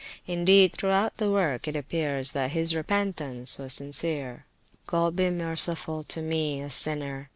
Indeed, throughout the work, it appears that his repentance was sincere. God be merciful to me a Sinner!